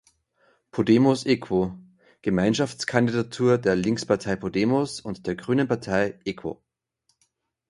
Podemos-Equo: Gemeinschaftskandidatur der Linkspartei "Podemos" und der grünen Partei "Equo".